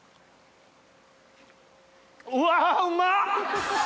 うわうまっ！